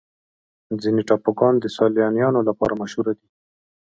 ځینې ټاپوګان د سیلانیانو لپاره مشهوره دي.